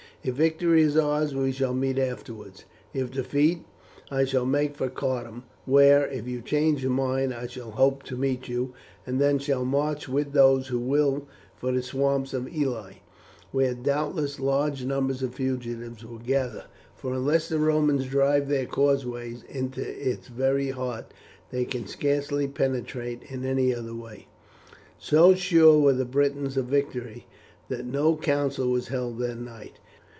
If victory is ours, we shall meet afterwards; if defeat, I shall make for Cardun, where, if you change your mind, I shall hope to meet you, and then shall march with those who will for the swamps of Ely, where doubtless large numbers of fugitives will gather, for unless the Romans drive their causeways into its very heart they can scarce penetrate in any other way." So sure were the Britons of victory that no council was held that night.